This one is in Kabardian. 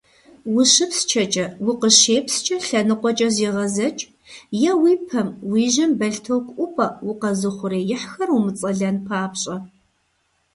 УщыпсчэкӀэ, укъыщепскӀэ лъэныкъуэкӀэ зегъэзэкӀ е уи пэм, уи жьэм бэлътоку ӀупӀэ, укъэзыухъуреихьхэр умыцӀэлэн папщӀэ.